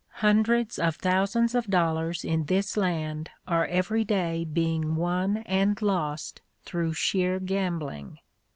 Hundreds of thousands of dollars in this land are every day being won and lost through sheer gambling.